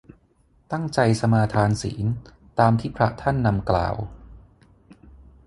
ตั้งใจสมาทานศีล ตามที่พระท่านนำกล่าว